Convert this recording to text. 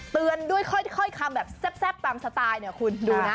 เตือนด้วยค่อยคำแบบแซ่บตามสไตล์เนี่ยคุณดูนะ